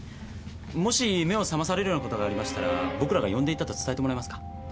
もし目を覚まされるようなことがありましたら僕らが呼んでいたと伝えてもらえますか。